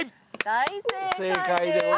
大正解です。